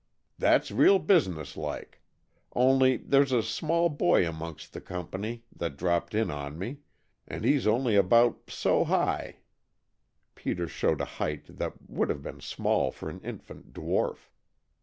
That's real business like. Only, there's a small boy amongst the company that dropped in on me and he's only about so high " Peter showed a height that would have been small for an infant dwarf.